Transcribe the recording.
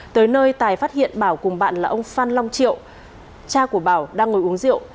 tới nơi tài phát hiện bảo cùng bạn là ông phan long triệu cha của bảo đang ngồi uống rượu